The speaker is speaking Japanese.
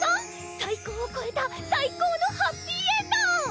最高を超えた最高のハッピーエンド！